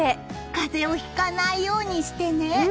風邪をひかないようにしてね。